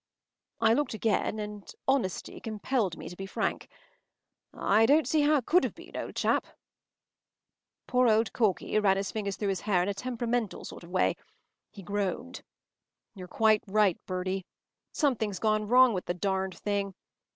” I looked again, and honesty compelled me to be frank. “I don’t see how it could have been, old chap.” Poor old Corky ran his fingers through his hair in a temperamental sort of way. He groaned. “You’re right quite, Bertie. Something’s gone wrong with the darned thing.